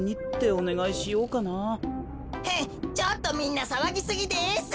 ちょっとみんなさわぎすぎです！